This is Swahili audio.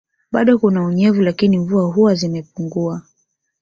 Bado kuna unyevu lakini mvua huwa zimepunguwa